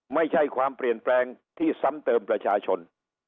ไม่ใช่ความเปลี่ยนแปลงที่ซ้ำเติมประชาชน